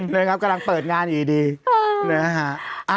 นะครับกำลังเปิดงานอยู่ดีนะฮะ